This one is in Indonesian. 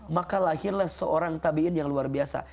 maka lahirlah seorang tabiin yang luar biasa